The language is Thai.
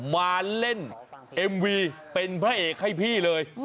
มาเล่นเอ็มวีเป็นพระเอกให้พี่เลย